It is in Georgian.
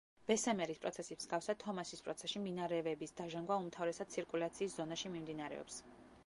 ბესემერის პროცესის მსგავსად, თომასის პროცესში მინარევების დაჟანგვა უმთავრესად ცირკულაციის ზონაში მიმდინარეობს.